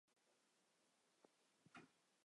该公墓墓区种植着松柏和花草。